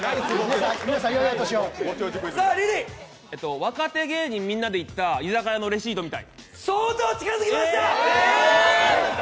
若手芸人みんなで行った居酒屋のレシートみたい。